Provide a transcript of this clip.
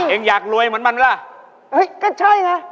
เอ็งอยากรวยเหมือนมันไหมล่ะเฮ้ยก็ใช่นะ